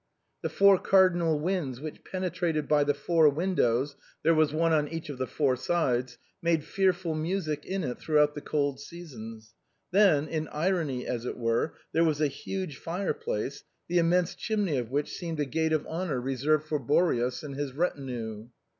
The four cardinal winds which penetrated by the four windows^ — ^thcre was one on each of tlie four sides — made fearful music in it throughout the cold sea sons. Then, in irony as it were, there was a huge fire place, the immense chimney of which seemed a gate of honor reserved for Boreas and his retinue.